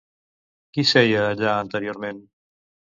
Qui seia allà anteriorment?